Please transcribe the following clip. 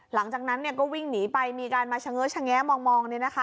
หลังจากนั้นก็วิ่งหนีไปมีการมาชะแงะมองเนี่ยนะคะ